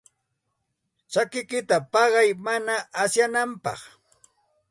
Chakikiyta paqay mana asyananpaq.